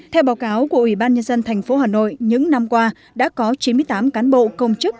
theo báo cáo của ủy ban nhân dân tp hà nội những năm qua đã có chín mươi tám cán bộ công chức